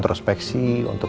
tepat di sekianter